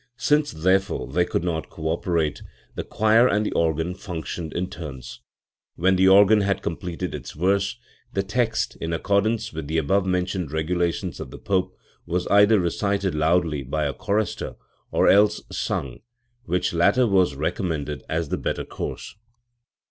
Since therefore they could not cooperate, the choir and the organ functioned in turns. When the organ had com pleted its verse, the text, in accordance with the above mentioned regulations of the Pope, was either recited loudly by a chorister, or else sung, which latter was re commended as the better course *.